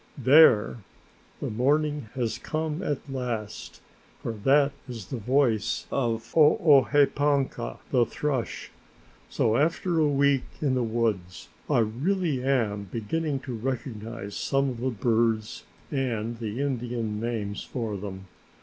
"There, the morning has come at last, for that is the voice of 'Oopehanka', the thrush. So after a week in the woods I really am beginning to recognize some of the birds and the Indian names for them."